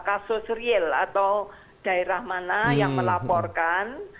kasus real atau daerah mana yang melaporkan